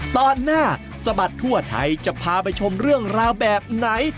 ตอนหน้าสะบัดทั่วไทยจะพาไปชมเรื่องราวแบบไหน